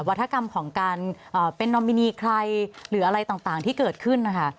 วัฒกรรมของการเป็นนอมินีใครหรืออะไรต่างที่เกิดขึ้นนะคะ